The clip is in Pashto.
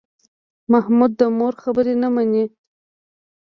محمود د مور خبرې نه مني.